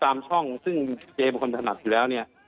ช่องซึ่งเจเป็นคนถนัดอยู่แล้วเนี่ย